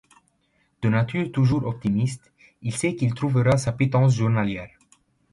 De nature toujours optimiste, il sait qu'il trouvera sa pitance journalière.